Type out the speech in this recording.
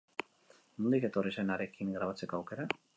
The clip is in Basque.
Nondik etorri zen harekin grabatzeko aukera?